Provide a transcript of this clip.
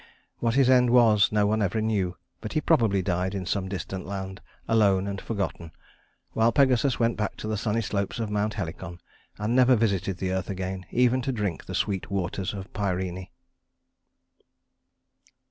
What his end was no one ever knew, but he probably died in some distant land, alone and forgotten, while Pegasus went back to the sunny slopes of Mount Helicon and never visited the earth again, even to drink the sweet waters of Pirene.